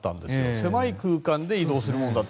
狭い空間で移動するものだった。